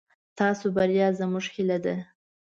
ستاسو بريا زموږ هيله ده.